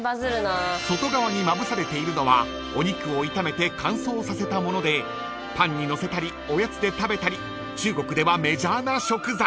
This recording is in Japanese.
［外側にまぶされているのはお肉を炒めて乾燥させたものでパンにのせたりおやつで食べたり中国ではメジャーな食材］